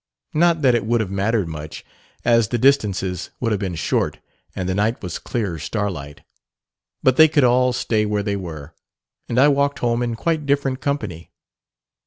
Not that it would have mattered much, as the distances would have been short and the night was clear starlight. But they could all stay where they were, and I walked home in quite different company."